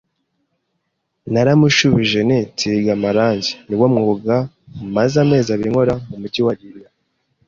Naramushubije nti "Nsiga amarangi", ni wo mwuga maze amezi abiri nkora mu mujyi wa Lille